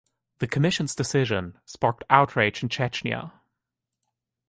The commission's decision sparked outrage in Chechnya.